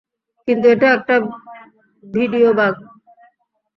কিন্তু এটা একটা ভিডিয়ো বাগ।